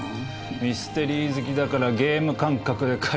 ミステリー好きだからゲーム感覚で書いたとか。